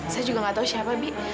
saya juga nggak tahu siapa bi